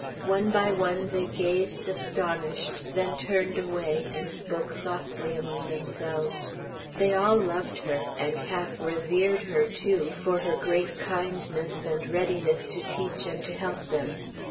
One by one they gazed, astonished, then turned away, and spoke softly among themselves. They all loved her, and half revered her too, for her great kindness, and readiness to teach and to help them.